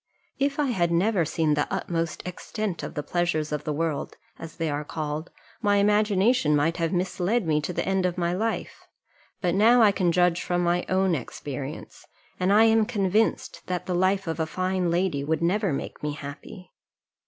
If I had never seen the utmost extent of the pleasures of the world, as they are called, my imagination might have misled me to the end of my life; but now I can judge from my own experience, and I am convinced that the life of a fine lady would never make me happy.